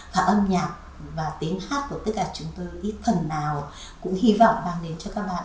và âm nhạc và tiếng hát của tất cả chúng tôi ít thần nào cũng hy vọng đang đến cho các bạn